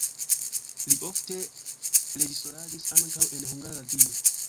Li ofte reĝisoradis ankaŭ en Hungara Radio.